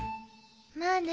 まあね